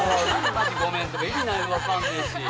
「マジごめん」って意味分かんねえし。